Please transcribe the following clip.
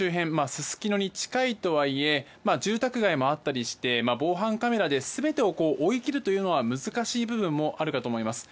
すすきのに近いとはいえ住宅街もあったりして防犯カメラで全てを追いきるというのは難しい部分もあると思います。